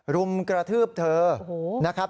รุมกระทืบเธอนะครับ